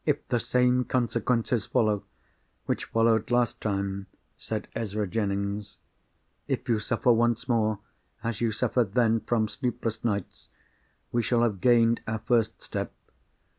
"If the same consequences follow, which followed last June," said Ezra Jennings—"if you suffer once more as you suffered then, from sleepless nights, we shall have gained our first step.